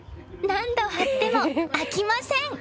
何度貼っても飽きません。